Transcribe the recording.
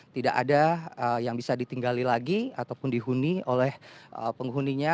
tidak ada yang bisa ditinggali lagi ataupun dihuni oleh penghuninya